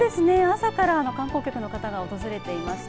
朝から観光客の方が訪れていました。